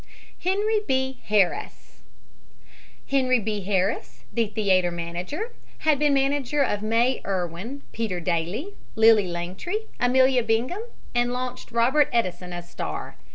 HENRY B. HARRIS Henry B. Harris, the theater manager, had been manager of May Irwin, Peter Dailey, Lily Langtry, Amelia Bingham, and launched Robert Edeson as star.